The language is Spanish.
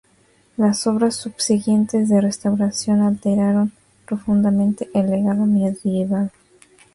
Las obras subsiguientes de restauración alteraron profundamente el legado medieval.